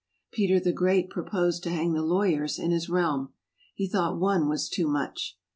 Peter the Great proposed to hang the lawyers in his realm. He thought one was too much.